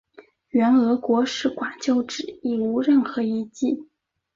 原俄国使馆旧址已无任何遗迹。